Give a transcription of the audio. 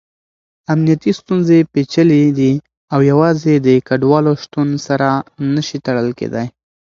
امنیتي ستونزې پېچلې دي او يوازې د کډوالو شتون سره نه شي تړل کېدای.